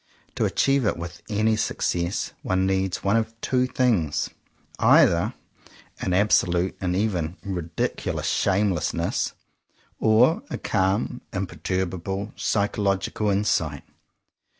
To achieve it with any success one needs one of two things; either an absolute and even ridiculous shameless ness, or a calm, imperturbable, psychological insight.